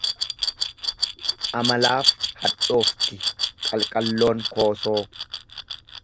Amalaaf hadhoofti qalqalloon koosoo.